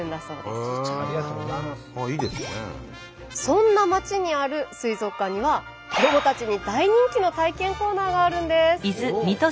そんな町にある水族館には子どもたちに大人気の体験コーナーがあるんです。